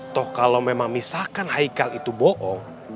toh kalau memang misalkan ikal itu bohong